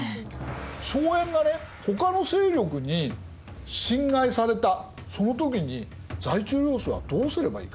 荘園がねほかの勢力に侵害されたその時に在地領主はどうすればいいか？